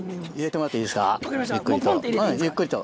ゆっくりと。